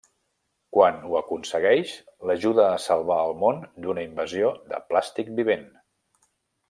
Quan ho aconsegueix, l'ajuda a salvar el món d'una invasió de plàstic vivent.